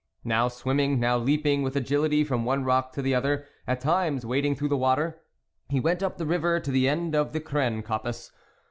Now swimming, now leaping with agility from one rock to the other, at times wading through the water, he went up the river to the end of the Crene coppice.